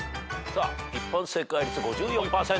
一般正解率５４％。